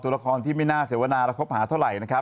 ตุลคลที่ไม่น่าเสวนาและครบหาเท่าไหร่